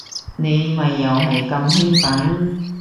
你咪又係咁興奮